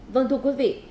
vâng thưa quý vị